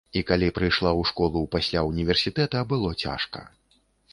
І калі прыйшла ў школу пасля ўніверсітэта, было цяжка.